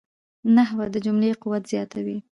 نحوه د جملې قوت زیاتوي.